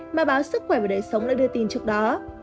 mà báo sức khỏe và đầy sống đã đưa tin trước đó